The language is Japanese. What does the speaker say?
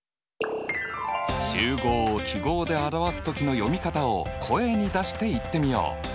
集合を記号で表す時の読み方を声に出して言ってみよう。